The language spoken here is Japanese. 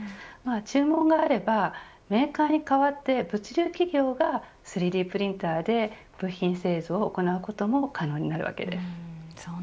注文があればメーカーに代わって物流企業が３Ｄプリンターで部品製造を行うことも可能になるわけです。